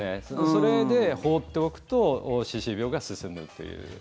それで放っておくと歯周病が進むという。